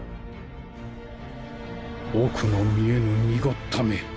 奥の見えぬ濁った目。